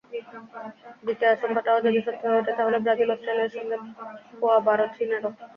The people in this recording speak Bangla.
দ্বিতীয় আশঙ্কাটাও যদি সত্যি হয়ে ওঠে, তাহলে ব্রাজিল-অস্ট্রেলিয়ার সঙ্গে পোয়াবারো চীনেরও।